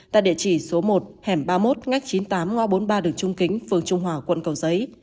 tại địa chỉ số một hẻm ba mươi một ngách chín mươi tám ngõ bốn mươi ba đường trung kính phường trung hòa quận cầu giấy